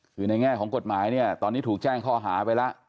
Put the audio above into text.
คือในแง่ของกฎหมายเนี่ยตอนนี้ถูกแจ้งข้อหาไปแล้ว